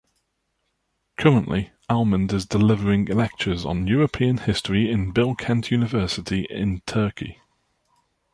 Currently Almond is delivering lectures on European History in Bilkent University in Turkey.